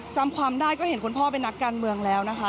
จำความได้ก็เห็นคุณพ่อเป็นนักการเมืองแล้วนะคะ